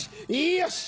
よし！